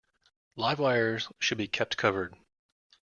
Live wires should be kept covered.